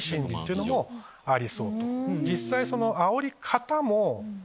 実際。